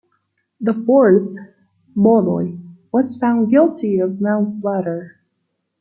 The fourth, Molloy, was found guilty of manslaughter.